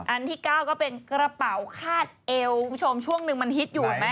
อันที่๙ก็เป็นกระเป๋าคาดเอวคุณผู้ชมช่วงหนึ่งมันฮิตอยู่เห็นไหม